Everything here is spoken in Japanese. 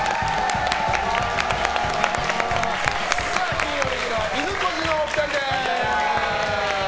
金曜レギュラーはいぬこじのお二人です！